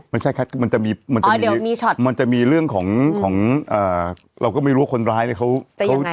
ไม่ใช่คัดมันจะมีเรื่องของเราก็ไม่รู้ว่าคนร้ายเนี่ย